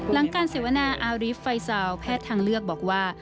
หลังการเสวนาอารีฟไฟซาวแพทย์ทางเลือกบอกว่า